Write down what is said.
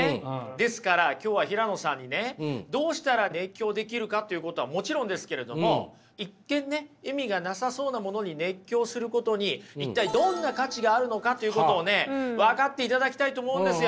ですから今日は平野さんにねどうしたら熱狂できるかということはもちろんですけれども一見ね意味がなさそうなものに熱狂することに一体どんな価値があるのかということを分かっていただきたいと思うんですよ。